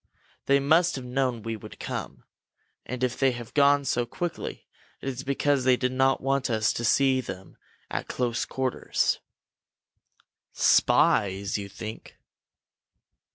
They must have known we would come, and if they have gone so quickly, it is because they did not want us to see them at close quarters." "Spies, you think?"